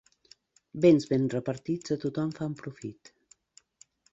Béns ben repartits a tothom fan profit.